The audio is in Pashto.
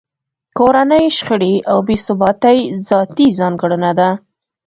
کورنۍ شخړې او بې ثباتۍ ذاتي ځانګړنه ده